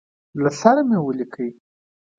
له سره مي ولیکی.